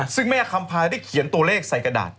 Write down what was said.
ซึ่งแม่คำพาได้เขียนตัวเลขใส่กระดาษ